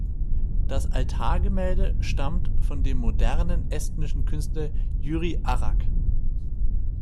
Das Altargemälde stammt von dem modernen estnischen Künstler Jüri Arrak.